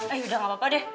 eh udah gak apa apa deh